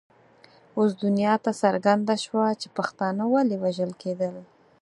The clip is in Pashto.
اوس دنیا ته څرګنده شوه چې پښتانه ولې وژل کېدل.